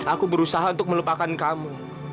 aku berusaha untuk melupakan kamu